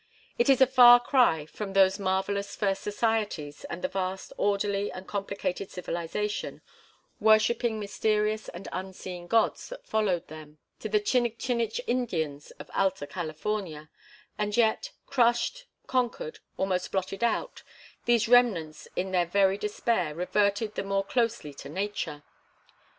It is a far cry from those marvellous first societies and the vast orderly and complicated civilization, worshipping mysterious and unseen gods, that followed them, to the Chinigchinich Indians of Alta California; and yet, crushed, conquered, almost blotted out, these remnants, in their very despair, reverted the more closely to nature.